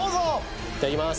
いただきます。